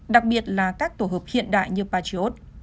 đặc biệt là các tổ hợp hiện đại